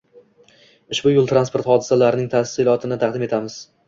Ushbu yo´l transport hodisasilarning tafsilotini taqdim etamiz